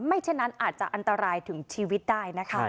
ฉะนั้นอาจจะอันตรายถึงชีวิตได้นะคะ